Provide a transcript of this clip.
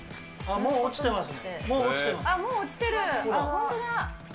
もう、落ちてますね。